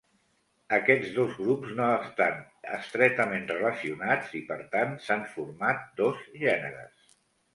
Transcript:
Aquests dos grups no estan estretament relacionats i per tant s'han format dos gèneres.